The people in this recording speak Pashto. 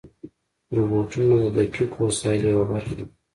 روبوټونه د دقیقو وسایلو یوه برخه دي.